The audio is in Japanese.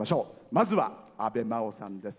まずは阿部真央さんです。